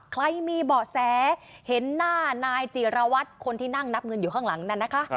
ใครมีเบาะแสเห็นหน้านายจิรวัตรคนที่นั่งนับเงินอยู่ข้างหลังนั่นนะคะ